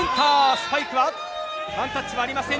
スパイクはワンタッチはありません。